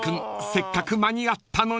せっかく間に合ったのに］